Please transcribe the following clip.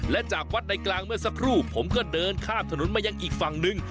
และจากวัดในกลางเมื่อสักครู่ผมก็เดินข้ามถนนมายังอีกฝั่งหนึ่ง